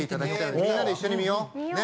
みんなで一緒に見よう！